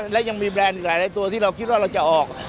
และยังมีแบรนด์อีกหลายตัวที่เราคิดว่าเราจะออก